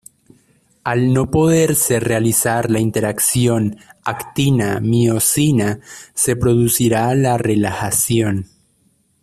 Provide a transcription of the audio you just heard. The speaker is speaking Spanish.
Al no poderse realizar la interacción actina-miosina, se producirá la relajación.